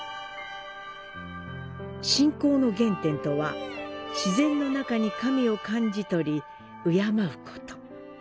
信仰の原点とは、自然の中に神を感じ取り敬うこと。